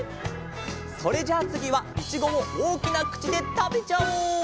それじゃあつぎはいちごをおおきなくちでたべちゃおう！